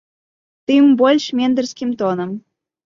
Тым больш ментарскім тонам.